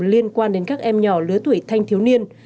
liên quan đến các em nhỏ lứa tuổi thanh thiếu niên